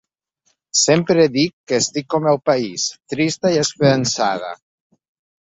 Sempre dic que estic com el país, trista i esperançada.